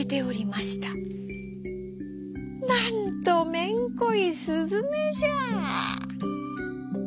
「なんとめんこいすずめじゃ」。